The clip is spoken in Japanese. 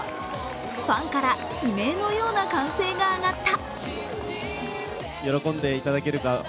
ファンから悲鳴のような歓声が上がった。